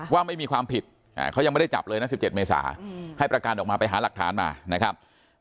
ว่าไม่มีความผิดเขายังไม่ได้จับเลยนะ๑๗เมษาให้ประกันออกมาไปหาหลักฐานมานะครับ